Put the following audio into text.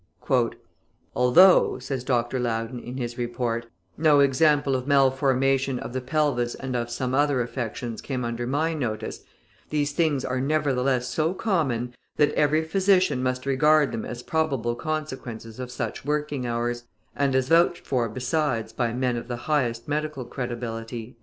"Although," says Dr. Loudon, in his report, "no example of malformation of the pelvis and of some other affections came under my notice, these things are nevertheless so common, that every physician must regard them as probable consequences of such working hours, and as vouched for besides by men of the highest medical credibility."